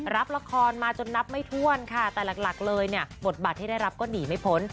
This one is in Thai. รับละครมาจนนับไม่ถ้วนค่ะแต่หลักเลยเนี่ยบทบาทที่ได้รับก็หนีไม่พ้น